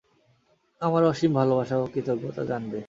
আমার অসীম ভালবাসা ও কৃতজ্ঞতা জানবে।